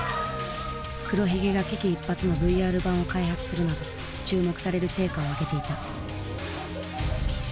黒ひげが危機一髪のＶＲ版を開発するなど注目される成果をあげていた。